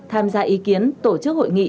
tham gia ý kiến tổ chức hội nghị